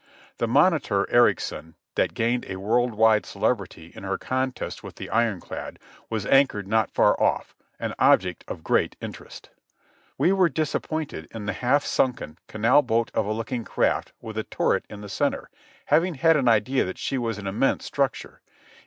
The monitor Ericsson, that gained a world wide celebrity in her contest with the iron clad, was anchored not far off, an object of great interest. We were disappointed in the half sunken canal boat of a looking craft with a turret in the center, having had an idea that she was an immense structure.